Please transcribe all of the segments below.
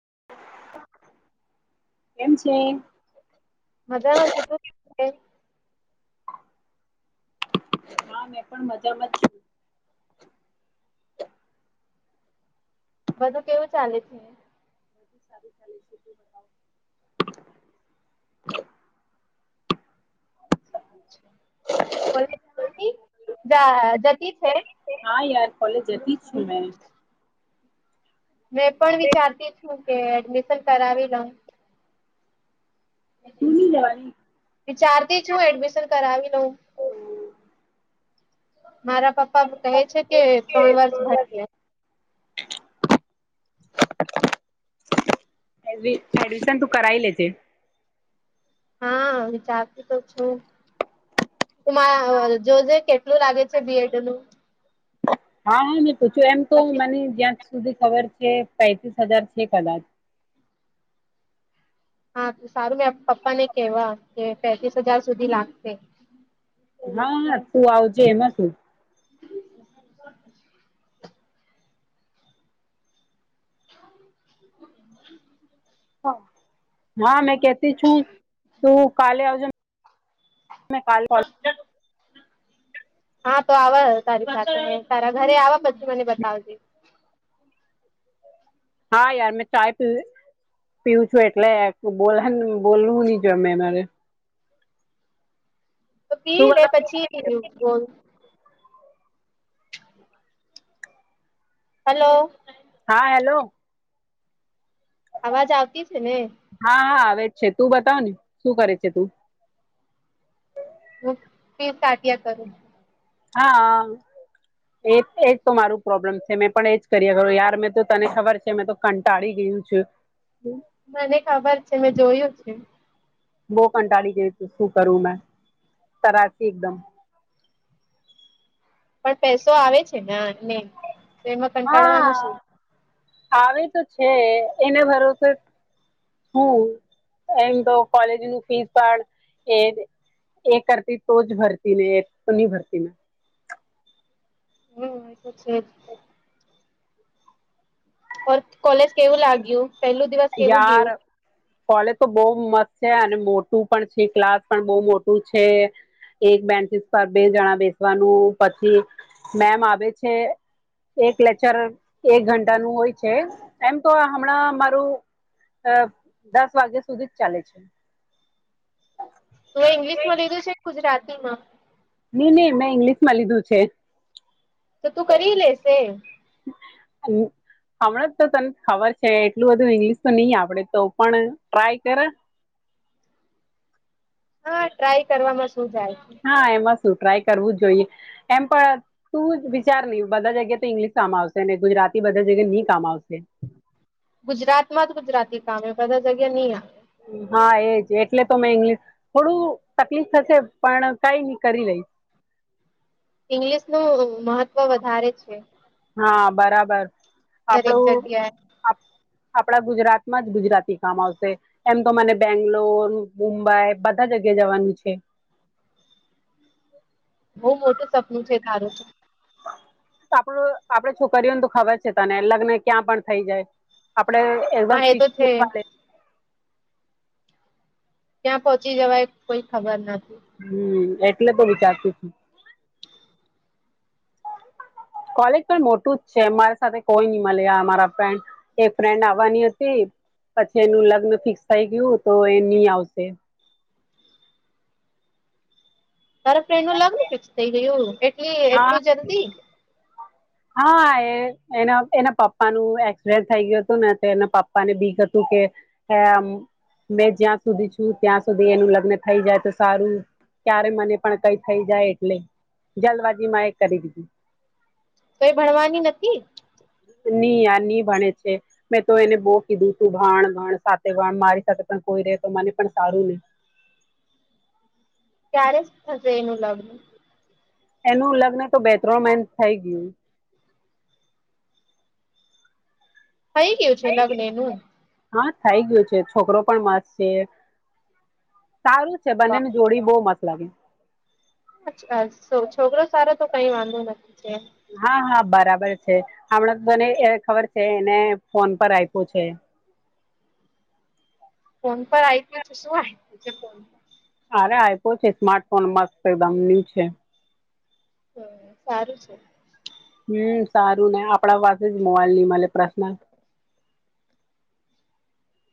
[unintelligible] કેમ છે? મજામાં છ તું હા મેં પણ મજામાં જ બધું કેવું ચાલે છે [unintelligible] બધું સારું ચાલે છે તું બતાવ? [unintelligible] જતી છે નાા યાર ફલે જતી છું મે મેં પણ વિચારતી છું કે એડમિશન કરાવી લઉ તું ની જવાની? વિચારતી છું એડમિશન કરાવી ન મારા પપ્પા કહે છે કે ત્રણ વર્ષ ભરી [unintelligible] એ એડમિશન તું કરાય લ છે હા વિચારતી તો છું જોજે કેટલું લાગે છે બીએડ નું હા હા મેં પૂછ્યું એમ તો પછી મને જ્યાં સુધી ખબર છે પૈંતસ હજાર છે કલાાર હા સારું મેં પપ્પાને કેવા કે પંતસ હજાર સુધી લાગશે હા હા તું આવજે એમાં શું [inaudible] હ હા મેં કેતી છું તું કાલે આવજો મે કાલ હા તો આવવા તારી સાથે તારા ઘરે આવવા બછી મને બતાવજે હા યાર મે ચાય પી પીવું છું એટલે બોલ બોલવું નહી જો અમેરે તો તું પી લે બતાવ પછી બો [inaudible] હલો હા હેલો અવાજ આવતી છે ને હા હા આવે છે તું બતાવ ને શું કરે છે તું હ ફી સાિયા કરું હા એ એ જ તો મારું પ્રોબ્લેમ છે મેં પણ એજ કર્યા ખો યાર મેં તો તને ખબર છે મેં તો કંટાળી ગય એું છે મને ખબર છે મેં જોયું છે બહ કંટાળી ગવી તું શું કરું મેં તરાસી એકદમ [inaudible] પણ પૈસો આવે છે ને એને તો એમાં હા કંટાળવાનું છે આવે તો છે એને ભરોસો હમ એમ તો કોલેજ ન ફીસ પણ એ એ કરતી તો જ ભરતી ને એક તો નહી ભરતી ને. હમ્મ, એ તો છે જ. ઓર કોલેજ કેવું લાગ્યું પેલું દિવસ કેવું યાર ગયું? કોલેજ તો બહુ મસ્ત છે અને મોટું પણ છે ક્લાસ પણ બવ મોટું છે. એક બેન્ચિસ પર બે જણા બેસવાનું પછી મેમ આવે છે એક લેક્ચર એક ઘંટા નું હોય છે એમ તો હમણાં મારું અ દસ વાગ્યા સુધી જ ચાલે છે. તું ઇંગ્લિશ માં લીધું છે ક ગુજરાતી માં? ની ની મેં ઇંગ્લિશ માં લીધું છે. તો તું કરી લેશે? હમણાં જ તો તને ખબર છે એટલું બધું ઇંગ્લિશ તો ની આપડે તો પણ ટ્રાય કરે. હા ટ્રાય કરવામાં શું જાય છે. હા એમાં શું ટ્રાય કરવું જ જોઈએ. એમ પણ તું વિચાર નહી બધા જગ્યાએ તો ઇંગ્લિશ સામ આવશેને ગુજરાતી બધા જ એને ની કામ આવશે. હ બધા જગ્યા ની આ હા એજ એટલે તો મેં ઇંગ્લિશ થોડું તકલીફ થશે પણ કઈ નઈ કરી લહીશ. ઈંગ્લિશનું મહત્વ વધારે છે. હા બરાબર દરેક આપણું જગ્યાએ આપડા ગુજરાત માં જ ગુજરાતી કામ આવશે. એમ તો મને બેંગ્લોર, મુંબઈ બધા જગ્યા જવાનું છે. બવ મોટું સપનું છે તારું તો. આપડ આપડ છોકરીઓને તો ખબર છે તને લગ્ન ક્યાં પણ થઈ જાય આપડે એકદમ હા એ તો ફિક્સ છે [inaudible] ક્યાં પહોંચી જવાય કોઈ ખબર નથ હમ્મ, એટલે તો વિચારતું છું. [inaudible] કોલેજ પણ મોટું જ છે મારી સાથે કોઈ ની મળ્યા મારા ફન્ એક ફ્રેન્ડ આવવાની હતી પછી એનું લગ્ન ફિક્સ થઈ ગયું તો એ ની આવશે. તારા ફ્રેન્ડ નું લગન ફિક્સ થઇ ગયું એટલી હા એટલું જલ્દી. હા એના એના પપ્પાનું એક્સિડેન્ટ થઈ ગયું તું ને એના પપ્પા ને બીક હતું કે આમ મેં જ્યાં સુધી છું ત્યાં સુધી એનું લગ્ન થઈ જાય તો સારું. ક્યારે મને પણ કઈ થઈ જાય એટલે જલ્બાજી માં એ કરી દીધું. કઈ ભણવાની નથી? ની યાર ની ભણે છે મેં તો એને બહુ કીધું તું ભાણ ભણ સાથે ભણ મારી સાથે પણ કોઈ રે તો મને પણ સારું ને. ક્યારે થશે એનું લગ્ન? એનું લગ્ન તો બે ત્રણ માઇન થઈ ગયું. થઈ ગયું છે લગ્ન એનું? હા થઈ ગયું છે છોકરો પણ મસ્ત છે સારું છે વાહ, બંનેને જોડી બહુ મસ્ત લાગે. છોકરો સારો તો કઈ વાંધો નથી છે હા હા બરાબર છે હમણાં તો તને ખબર છે એને ફોન પર આપ્યું છે. ફોન પર આઈપી તો શું આઈપી છે ફનમાં. અરે આપ્યો છે સ્માર્ટફોન મસ્ત એકદમ ન્યુ છે. હા સારું છે. હમ્મ, સારું ને આપડા પાસે જ મોવાલ ની મલે પ્રશ્ન.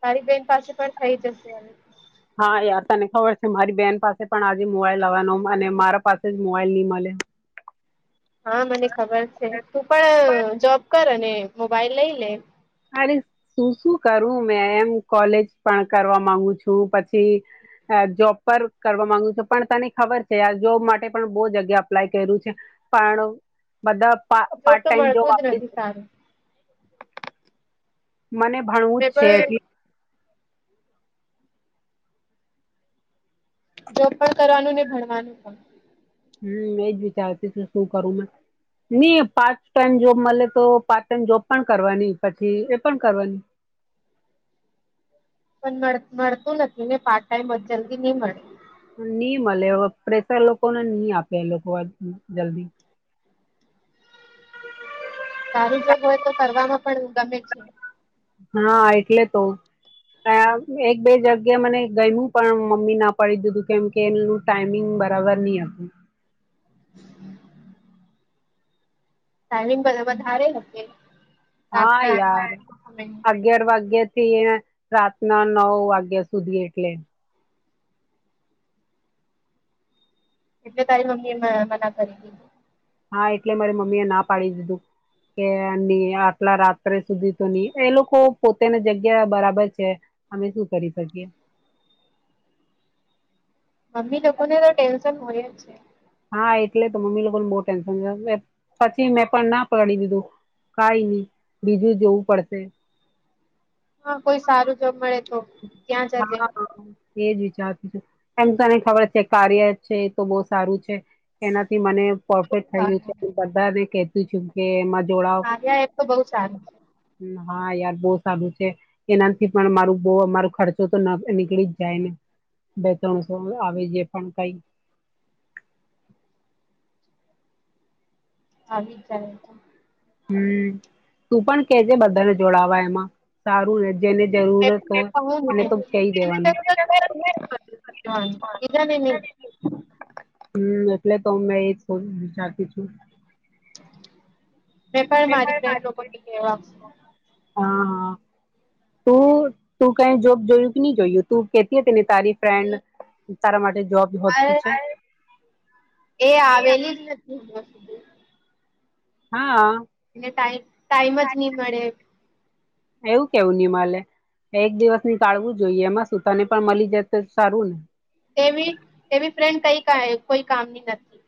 તારી બેહેન પાસે પણ થઇ જશે હવે. હા યા તને ખબર છે મારી બેન પાસે પણ આજે મોબાઈલ લવાનો અને મારા પાસે જ મોબાઈલ ની મળે. [inaudible] હા મને ખબર છે તું પણ જોબ કરને મોબાઈલ લઈ લે શું શું કરું મેં એમ કોલેજ પણ કરવા માંગુ છું, પછી જોબ પર કરવા માંગુ છ પણ તને ખબર છે આ જોબ માટે પણ બહુ જગ્યા અપ્લાય કર્યું છે. પણ બધા જોબ પાર્ટ તો ટાઈમ જો મળતું જ નથી સારું મને ભણવું જ મેં છે, પણ એટલે જો પણ કરવાનું ને ભણવાનું પણ હમ એજ વિચારતીું શું કરું મે નઈ પારચ ટાઈમ જોબ મળે તો પારચ ટાઈમ જોબ પણ કરવાની પછી એ પણ કરવાની [inaudible] પણ મળતું નથી ને પાર્ટ ટાઈમ જ જલ્દી નહી મળે નહી મળે પ્રેેશર લોકોને નહી આપે એ લોકો જલ્દી [unintelligible] સારું જો હોય તો કરવામાં પણ ગમે છે. હા એટલે તો એક બે જગ્યા મને ગયનું પણ મમ્મી ના પડી દીધું કેમ કે એનું ટાઈમિંગ બરાબર નહી આપ [unintelligible] તાલીમ બધ વધારે હ હા યાર અગગડવાગ્યે રાતના નવ વાગ્યા સુધી એટલે એટલે તારી મમ્મી એ મના કરી દીધી હા એટલે મારી મમ્મી એ ના પાડી દીધું કેની આટલા રાત્રે સુધી તો નહી એ લોકો પોતેની જગ્યા બરાબર છે અમે શું કરી શકીએ મમ્મી લોકોને તો ટેન્શન હોય જ છે હા એટલે તો મમ્મી લોકોને બહુ ટેન્શન પછી મેં પણ ના પકડી દીધું કઈ નહી બીજું જોવું પડશે હા કોઈ સારું જોબ મળે તો ત્યાં જજે હા એજ વિચારતી છું એમ તને ખબર છે, કાર્ય છે, એ તો બહુ સારું છે, એનાથી મને પરફેક્ટ થયું છે સારું બધાને કેતું છું કે જોડાવ હા એપ તો બહુ સારું છે. હમ, હા યાર બહુ સારું છે એના થી પણ મારું બહ અમારો ખર્ચો તો નીકળી જ જાય ને બે ત્રણસો આવી જે પણ કઈ [inaudible] આવી જ જાય તો હમ તું પણ કેજે બધાને જોડાવા એમાં સારું જેને જરૂરત હોય એને તો કહી દેવાનું હા એ ને નની. હમ એટલે તો મેં એજું વિચારતી છું. મે પણ મારી ફન્ડ લોકોને કેવા હા હા તું તું કઈ જોબ જોયું કે નહી જોયું તું કેતી તેને તારી ફ્રેન્ડ તારા માટે જોબ અ હોતી છે એ આવેલી જ નથી સુધી હા. એને ટમ ટાઈમ જ નહી મળે એવું કેવું નિમાલે એક દિવસ ની ટાળવું જોઈએ એમાં સુું તને પણ મળી જાય તો સારું ને તે એવી ફ્રેન્ડ કઈ કોઈ કામની નથી.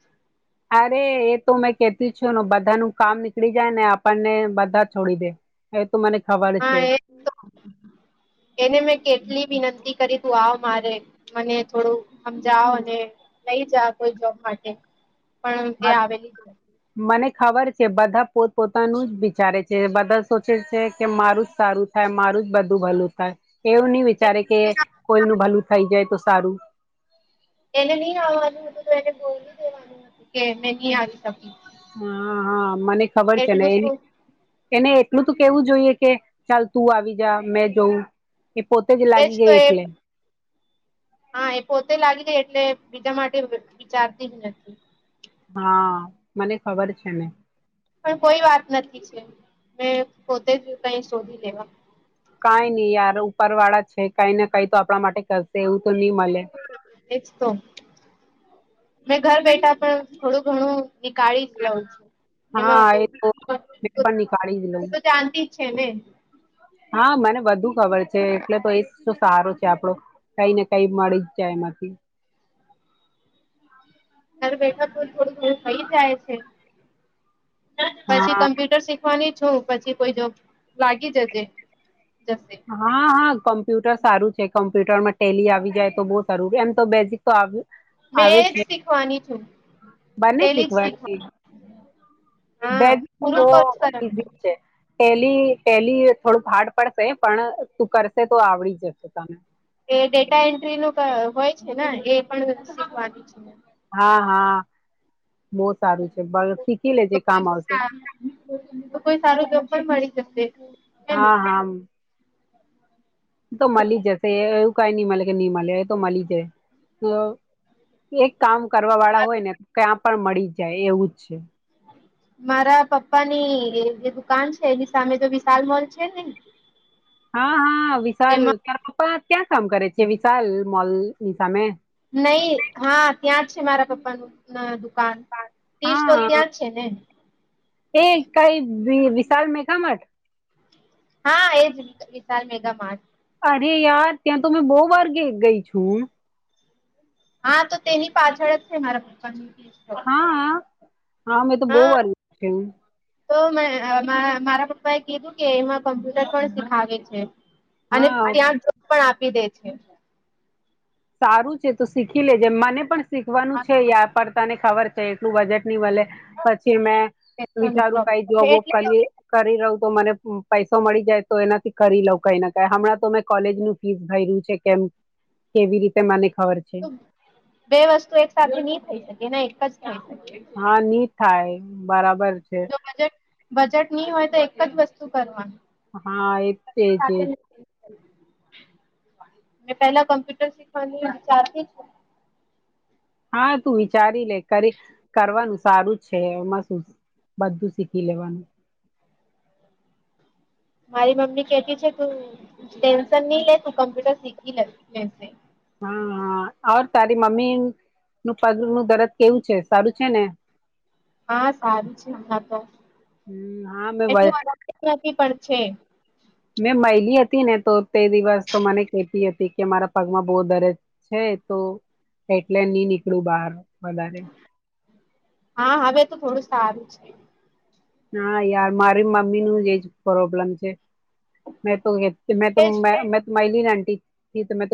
અરે એ તો મેં કેતી છુંને બધા ન કામ નીકળી જાય ને આપણને બધા છોડી દે તો મને ખબર હા છે એ એને મેં કેટલી વિનંતી કરી તું આવ મારે મને થોડું સમજઓ અને લઈ જા કોઈ જોબ માટે પણ એ આવેલી જ નથી મને ખબર છે બધા પોત પોતાનું જ વિચારે છે બધા સોચે છે કે મારું જ સારું થાય મારું લું જ બધું ભલું થાય એવું નહી વિચારે કે નથી કોઈ ન ભલું થઈ જાય તો સારું એને નહી આવવાનું હતું તો એને ગોલવી દેવાનું હતું કે મે નહી આવી શકી હા હા મને ખબર છે ને એટલું એ શું એને હું તો કેવું જોઈએ કે ચાલ તું આવી જા મેં જોઉં એ પોતે જ એજ લાગી તો ગઈ એ એટલે હા એ પોતે લાગી ગઈ એટલે બીજા માટે વિચારતી જ નથી હા મને ખબર છે ને પણ કોઈ વાત નથી છે મેં પોતે જ કઈ શોધી લેવા કઈ નહી યાર ઉપર વાળા છે કઈ ને કઈ તો આપણા માટે કરશે એવું તોની મળલે એજ તો મેં ઘર બેઠા પણ થોડું ઘણું નીકાળી જ લઉં છું હા એમાં એ તો મેં પણ નીકાળી જ તો લઉં તો જાણતી જ છે ને હા મને વધુ ખબર છે એટલે તો એ શ સારો છે આપડો કઈ ને કઈ મળી જ જાય એમાંથી અરે બેઠા થો થોડું ઘણું થઇ જાય છે પછી હા કમ્પ્યુટર શીખવાની છું પછી કોઈ જોબ લાગી જજ હા હા કોમ્પ્યુટર સારું છે કોમ્પ્યુટરમાં ટેલી આવી જાય તો બહુ સરૂું એમ તો બેઝિક તો આવ આવે મેં જ છે શીખવાની છું બંને પેલી જ શીખવા શીખવાની હા બેગ પૂરું બ કોર્સ કરવાનું ઈઝી છે પેલી પહેલી થોડુંક હાડ પડશે પણ તું કરશે તો આવડી જશે તને એ ડેટા એન્ટ્રી ન હોય છે ને એ પણ શીખવાની છે હા હા બહુ સારું છે બ શીખી લેજ તો કામ આવશે કોઈ તો કોઈ સારું જોબ પણ મળી જશે હેને હા હા તો મળી જશે કઈ ન મળે કે નહી મળે એ તો મળી જાય એક કામ કરવા વાળા હોય ને તો ક્યાં પણ મળી જાય એવું જ છે મારા પપ્પા ની જે દુકાન છે એની સામે તો વિશાલ મોલ છે નને [unintelligible] હા હા વિશાલ તાર પપ્પા ક્યાં કામ કરે છે વિશાલ મોલ ની સામે નહી હા ત્યાં જ છે મારા પપ્પાનું દ તે સ્ટોલ હા ત્યાં છે ને એ કઈ વિશાલ મેઘામઠ હા એ જ વિશાલ મેગા મા અરે યાર ત્યાં તો મેં બહુ વાર ક ગઈ છું હા તો તેની પાછળ જ છે મારા પપ્પા હા હ હા મેં તો બહ વાર છે તો મે મારા પપ્પા એ કીધું કે એમાં કમ્પ્યુટર પણ શીખાવે છે અને હા ત્યાં પણ આપી દે છે સારું છે તો શીખી લેજે મને પણ શીખવાનું છે યા પર તને ખબર છે એટલું બજેટ ની વલે પછી મેં પૈસાનો વિચાર્યું પ્રોબ્લેમ કઈ છે જોબ વોબ એટલે કરી કરી રહ તો મને પૈસો મળી જાય તો એનાથી કરી લઉ કઈ ના કઈ હમણાં તો મેં કોલેજ નું ફીસ ભર્યું છે કેમ કેવી રીતે મને ખબર છે બે વસ્તુ એક સાથે નહી થઈ શકે ને એક જ થઈ શકે હા ની થાય બરાબર છે જો બજેટ બજેટ નની હોય તો એક જ વસ્તુ કરવાનું હા એ તેજજ સાથે [inaudible] મેં પેલા કમ્પ્યુટર શીખવાની વિચારતી હા તું વિચારી લે કરી કરવાનું સારું જ છે એમાં શું બધું શીખી લેવાનું મારી મમ્મી કેતી છે તું ટેન્શન નહી લે તું કમ્પ્યુટર શીખી લે લે હ હાર તારી મમ્મી નું પગ નું દરદ કેવું છે સારું છે ને હા સારું છે ના તો હમ હા મેં એટલ વ- નથી પણ છે મેં મહિલી હતી ને તો તે દિવસ તો મને કેતી હતી કે મારા પગમાં બહુ દરજ છે તો એટલે નહી નીકળું બહાર વધારે હા હવે તો થોડું સારું છે હા યાર મારી મમ્મી નું જ એજ પ્રોબ્લેમ છે મે તો એજ મે મે તોલી ને આંટીથી તો મે